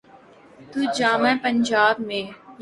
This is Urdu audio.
تو جامعہ پنجاب میں۔